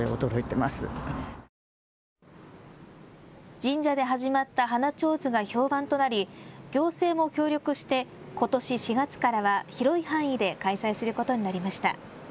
神社で始まった花ちょうずが評判となり、行政も協力してことし４月からは広い範囲で開催することになりました。